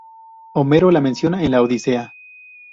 Homero la menciona en la Odisea.